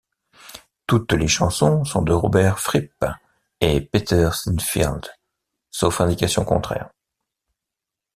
Toutes les chansons sont de Robert Fripp et Peter Sinfield, sauf indication contraire.